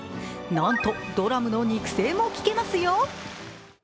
なんと、ドラムの肉声も聞けますよ。